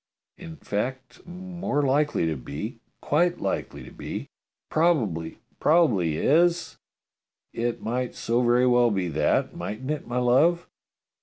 In fact, more likely to be, quite likely to be. Probably is, prob ably is. It might so very well be that, mightn't it, my love?"